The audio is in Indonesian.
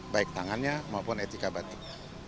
baik tangannya maupun etika batik